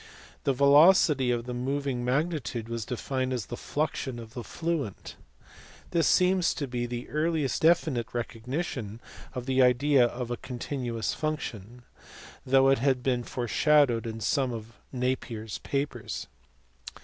The velocity of the moving magnitude was denned the fluxion of the fluent. This seems to be the earliest definite recognition of the idea of a continuous function, though it had been foreshadowed in some of Napier s papers.